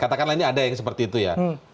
katakanlah ini ada yang seperti itu ya